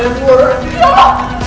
ya pak makasih ya pak